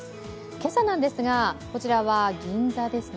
今朝のなんですが、こちらは銀座ですね。